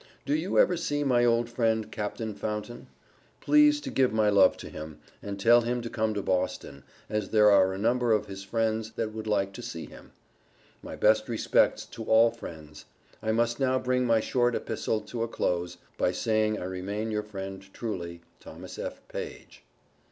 Do you ever see my old friend, Capt. Fountain? Please to give my love to him, and tell him to come to Boston, as there are a number of his friends that would like to see him. My best respects to all friends. I must now bring my short epistle to a close, by saying I remain your friend truly, THOMAS F. PAGE.